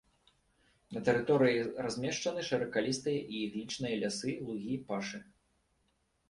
На тэрыторыі размешчаны шыракалістыя і іглічныя лясы, лугі, пашы.